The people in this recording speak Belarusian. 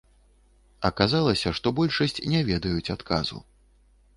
Аказалася, што большасць не ведаюць адказу.